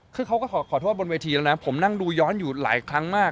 คือเขาก็ขอโทษบนเวทีแล้วนะผมนั่งดูย้อนอยู่หลายครั้งมาก